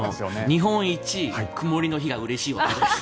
日本一曇りの日がうれしい男です。